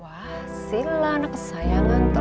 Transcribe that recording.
wah sila anak kesayangan toh